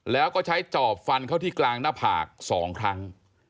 แล้วก็ใช้จอบฟันเข้าที่กลางหน้าผาก๒ครั้ง